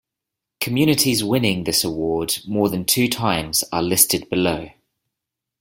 Communities winning this award more than two times are listed below.